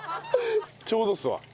ちょうどっすわ。